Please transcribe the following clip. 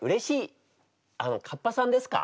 あのかっぱさんですか？